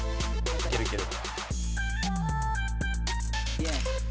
いけるいける。